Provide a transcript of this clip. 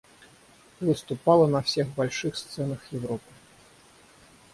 Выступала на всех больших сценах Европы.